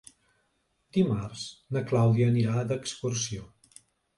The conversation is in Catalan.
Dimarts na Clàudia anirà d'excursió.